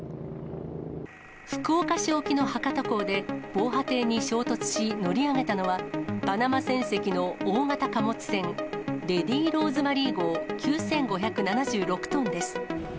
福岡市沖の博多港で、防波堤に衝突し、乗り上げたのは、パナマ船籍の大型貨物船、ＬＡＤＹＲＯＳＥＭＡＲＹ号９５７６トンです。